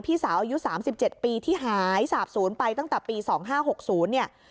พี่สาวอายุ๓๗ปีที่หายสาบศูนย์ไปตั้งแต่ปี๒๕๖๐เนี่ย